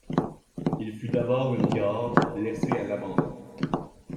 Il fut d'abord une gare, laissée à l'abandon.